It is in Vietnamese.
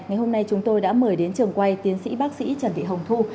ngày hôm nay chúng tôi đã mời đến trường quay tiến sĩ bác sĩ trần thị hồng thu